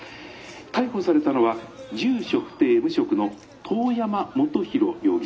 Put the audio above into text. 逮捕されたのは住所不定無職の遠山元宏容疑者です。